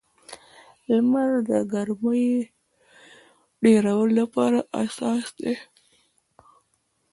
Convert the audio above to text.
لمر د ګرمۍ ډېرولو لپاره اساس دی.